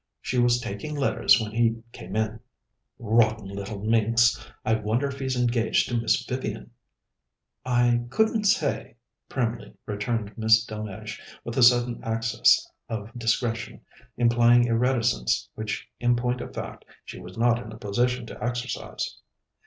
She was taking letters when he came in." "Rotten little minx! I wonder if he's engaged to Miss Vivian?" "I couldn't say," primly returned Miss Delmege, with a sudden access of discretion, implying a reticence which in point of fact she was not in a position to exercise.